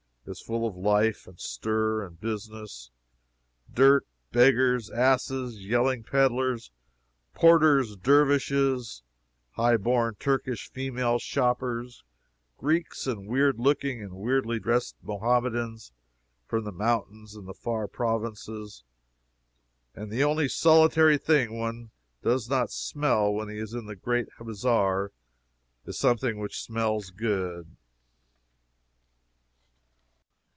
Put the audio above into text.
It is full of life, and stir, and business, dirt, beggars, asses, yelling peddlers, porters, dervishes, high born Turkish female shoppers, Greeks, and weird looking and weirdly dressed Mohammedans from the mountains and the far provinces and the only solitary thing one does not smell when he is in the Great Bazaar, is something which smells good.